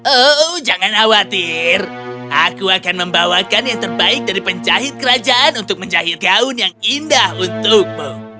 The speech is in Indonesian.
oh jangan khawatir aku akan membawakan yang terbaik dari penjahit kerajaan untuk menjahit gaun yang indah untukmu